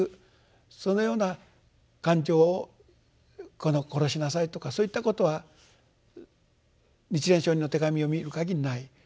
そのような感情を殺しなさいとかそういったことは日蓮聖人の手紙を見るかぎりない。